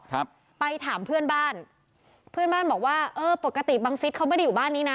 ครับไปถามเพื่อนบ้านเพื่อนบ้านบอกว่าเออปกติบังฟิศเขาไม่ได้อยู่บ้านนี้นะ